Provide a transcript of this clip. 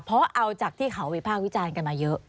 เพราะเอาจากที่เขาวิพากษ์วิจารณ์กันมาเยอะ